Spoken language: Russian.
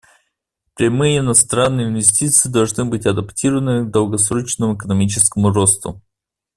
Прямые иностранные инвестиции должны быть адаптированы к долгосрочному экономическому росту.